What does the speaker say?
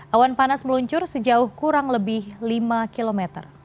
awan panas meluncur sejauh kurang lebih lima km